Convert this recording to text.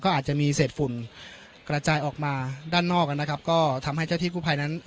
อาจจะมีเศษฝุ่นกระจายออกมาด้านนอกนะครับก็ทำให้เจ้าที่กู้ภัยนั้น